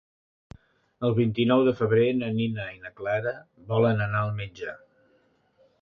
El vint-i-nou de febrer na Nina i na Clara volen anar al metge.